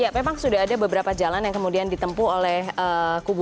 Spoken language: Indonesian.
ya memang sudah ada beberapa jalan yang kemudian ditempuh oleh kubu